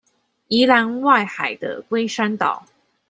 宜蘭外海的龜山島